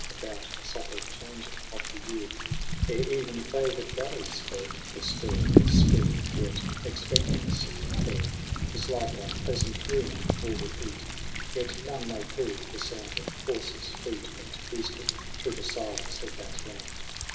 About the subtle changing of the year, Ere even favored valleys felt the stir Of Spring, and yet expectancy of her Was like a pleasant rumor all repeat Yet none may prove, the sound of horses' feet Went eastward through the silence of that land.